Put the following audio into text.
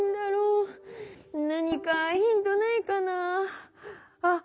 何かヒントないかなあっ